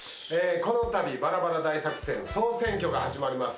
この度バラバラ大作戦総選挙が始まります。